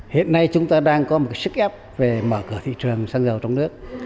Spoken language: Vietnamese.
hiện nay chúng ta đang có một sức ép về mở cửa thị trường xăng dầu trong nước